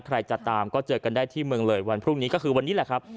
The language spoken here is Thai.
ใครจะตามก็เจอกันได้ที่เมืองเลยวันพรุ่งนี้ก็คือวันนี้แหละครับ